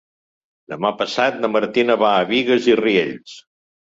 Demà passat na Martina va a Bigues i Riells.